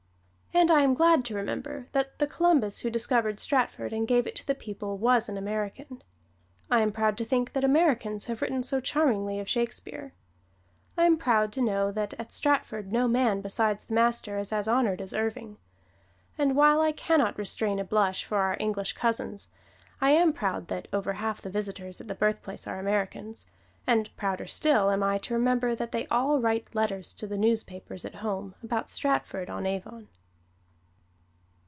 And I am glad to remember that the Columbus who discovered Stratford and gave it to the people was an American: I am proud to think that Americans have written so charmingly of Shakespeare: I am proud to know that at Stratford no man besides the master is as honored as Irving, and while I can not restrain a blush for our English cousins, I am proud that over half the visitors at the birthplace are Americans, and prouder still am I to remember that they all write letters to the newspapers at home about Stratford on Avon.